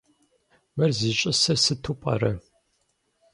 Мыр зищӀысыр сыту пӀэрэ?